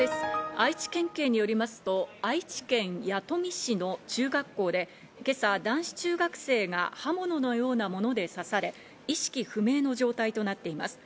愛知県警によりますと愛知県弥富市の中学校で今朝、男子中学生が刃物のようなもので刺され意識不明の状態となっています。